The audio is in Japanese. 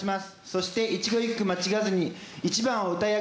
そして一語一句間違わずに１番を歌い上げたら。